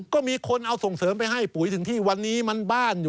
ก็มีคนเอาส่งเสริมไปให้ปุ๋ยถึงที่วันนี้มันบ้านอยู่